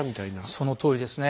そのとおりですね。